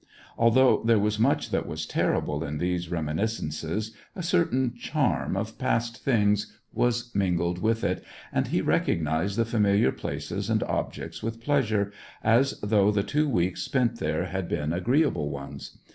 Although there was much that was terrible in these reminiscences, a certain charm of past things was mingled with it, and he recognized the familiar places and objects with pleasure, as though the two weeks spent there had been agreeable ones.